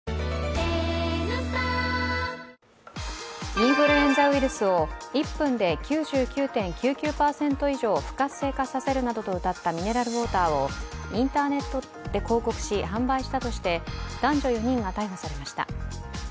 インフルエンザウイルスを１分で９９．９９％以上不活性化させるなどとうたったミネラルウォーターをインターネットで広告し、販売したとして男女４人が逮捕されました。